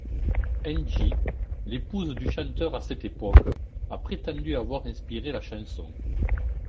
Angie, l'épouse du chanteur à cette époque, a prétendu avoir inspiré la chanson.